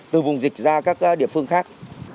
dịch ra các địa phương khác